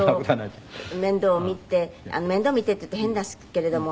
面倒見てっていうと変ですけれども。